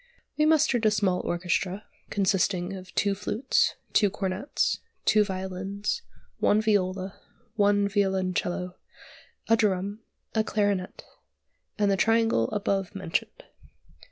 We mustered a small orchestra, consisting of two flutes, two cornets, two violins, one viola, one violoncello, a drum, a clarionet, and the triangle above mentioned.